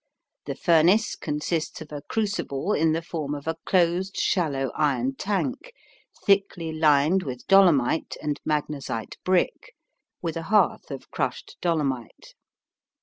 The furnace consists of a crucible in the form of a closed shallow iron tank, thickly lined with dolomite and magnazite brick, with a hearth of crushed dolomite.